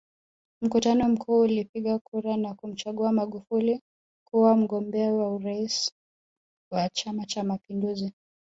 Mkutano mkuu ulipiga kura na kumchagua Magufuli kuwa mgombea urais wa Chama Cha Mapinduzi